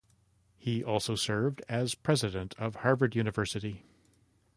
He also served as President of Harvard University.